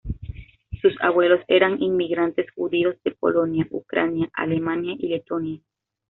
Sus abuelos eran inmigrantes judíos de Polonia, Ucrania, Alemania, y Letonia.